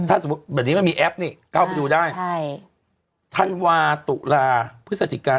ถ้าสมมุติแบบนี้ไม่มีแอปนี่ก็เอาไปดูได้ใช่ธันวาคมตุกราศาสตริกา